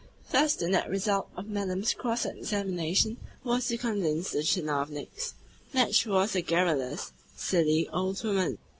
Thus the net result of Madame's cross examination was to convince the tchinovniks that she was a garrulous, silly old woman.